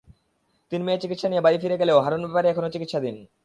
তিন মেয়ে চিকিৎসা নিয়ে বাড়ি ফিরে গেলেও হারুন ব্যাপারী এখনো চিকিৎসাধীন।